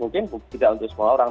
mungkin tidak untuk semua orang